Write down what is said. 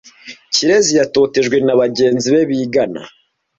Kirezi yatotejwe na bagenzi be bigana.